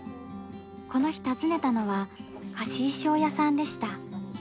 この日訪ねたのは貸衣装屋さんでした。